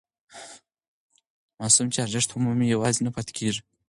ماسوم چې ارزښت ومومي یوازې نه پاتې کېږي.